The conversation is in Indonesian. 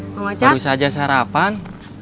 baru saja sarapan